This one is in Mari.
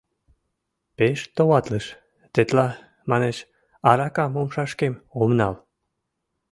Пеш товатлыш, тетла, манеш, аракам умшашкем ом нал.